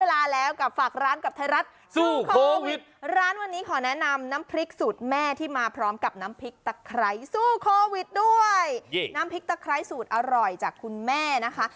เวลาแล้วกับฝากร้านกับไทยรัฐสู้โควิดร้านวันนี้ขอแนะนำน้ำพริกสูตรแม่ที่มาพร้อมกับน้ำพริกตะไคร้สู้โควิดด้วยน้ำพริกตะไคร้สูตรอร่อยจากคุณแม่นะคะ